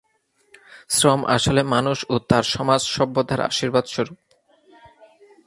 শ্রম আসলে মানুষ ও তার সমাজ-সভ্যতার আশীর্বাদস্বরূপ।